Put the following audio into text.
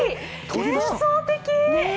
幻想的！